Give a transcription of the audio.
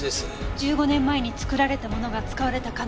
１５年前に作られたものが使われた可能性は？